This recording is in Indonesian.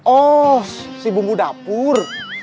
oh si bumbu dapur